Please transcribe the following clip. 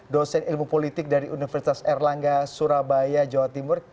dosen ilmu politik dari universitas erlangga surabaya jawa timur